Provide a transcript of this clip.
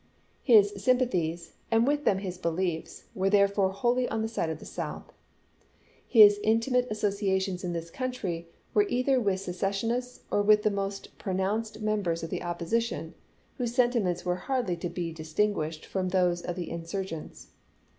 His sym pathies, and with them his. beliefs, were therefore wholly on the side of the South. His intimate associations in this country were either with se cessionists or with the most pronounced mem bers of the opposition, whose sentiments were hardly to be distinguished from those of the insur gents.